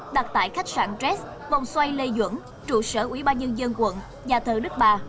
đặt tại khách sạn rest vòng xoay lê duẩn trụ sở ubnd quận nhà thờ đức bà